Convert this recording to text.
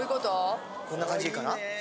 こんな感じでいいかな？